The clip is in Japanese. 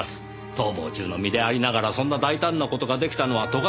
逃亡中の身でありながらそんな大胆な事が出来たのは斗ヶ